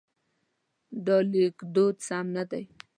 دا لیکدود سم نه دی.